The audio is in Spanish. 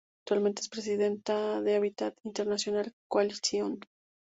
Actualmente es Presidenta de Habitat International Coalition.